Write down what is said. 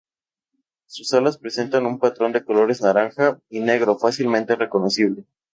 Sus alas presentan un patrón de colores naranja y negro fácilmente reconocible.